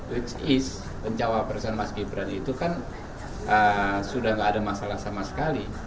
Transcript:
which is pencawa presiden mas gibran itu kan sudah tidak ada masalah sama sekali